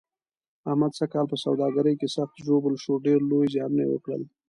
احمد سږ کال په سوداګرۍ کې سخت ژوبل شو، ډېر لوی زیانونه یې وکړل.